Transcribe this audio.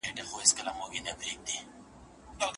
که ته په املا کي د جملو مانا ته پام وکړې.